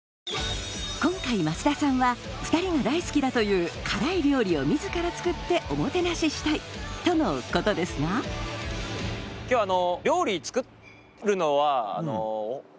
今回増田さんは２人が大好きだという辛い料理を自ら作っておもてなししたいとのことですが今日あの。